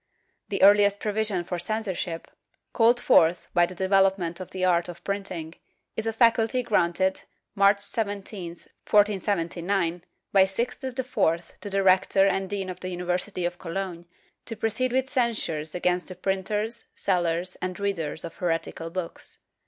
The earhest provision for censorship, called forth by the development of the art of printing, is a faculty granted, March 17, 1479, by Sixtus IV to the rector and dean of the Uni versity of Cologne, to proceed with censures against the printers, sellers and readers of heretical books.